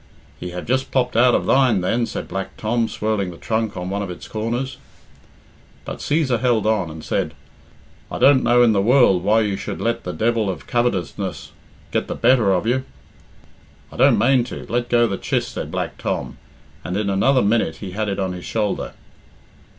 "He have just popped out of thine, then," said Black Tom, swirling the trunk on one of its corners. But Cæsar held on, and said, "I don't know in the world why you should let the devil of covetousness get the better of you." "I don't mane to let go the chiss," said Black Tom, and in another minute he had it on his shoulder.